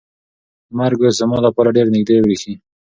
مرګ اوس زما لپاره ډېر نږدې برېښي.